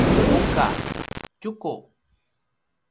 buka: tjuku